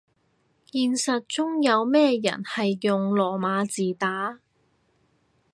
現實中有咩人係用羅馬字打